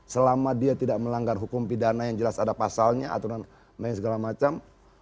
selama dia tidak melanggar hukum pidana yang jelas ada pasalnya aturan main segala macam